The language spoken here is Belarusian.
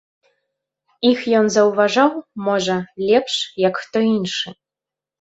Іх ён заўважаў, можа, лепш, як хто іншы.